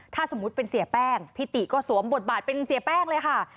ถ้าสมมุติเป็นเสียแป้งพี่ติก็สวมบทบาทเป็นเสียแป้งเลยค่ะ